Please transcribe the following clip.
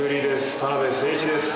田辺誠一です。